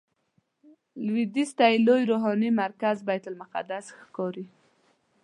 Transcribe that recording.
لویدیځ ته یې لوی روحاني مرکز بیت المقدس ښکاري.